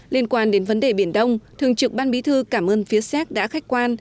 liên quan đến vấn đề biển đông thường trực ban bí thư cảm ơn phía xéc đã khách quan